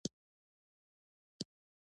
د پښتو ژبې ښکلاوې او ځانګړتیاوې